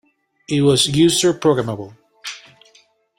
It was user programmable.